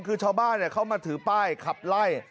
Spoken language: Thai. คือชาวบ้านเขามาถือป้ายขับไล่